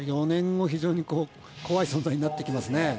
４年後、非常に怖い存在になってきますね。